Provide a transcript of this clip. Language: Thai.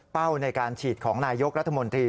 ในการฉีดของนายยกรัฐมนตรี